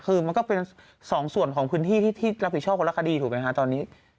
คือมันก็เป็นสองส่วนของพื้นที่ที่รับผิดชอบคนละคดีถูกไหมคะตอนนี้